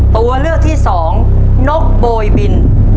ตัวเลือกที่สองนกโบยบิน